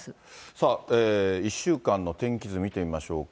さあ、１週間の天気図見てみましょうか。